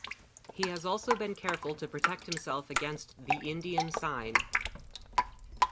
He has also been careful to protect himself against ‘the Indian Sign’.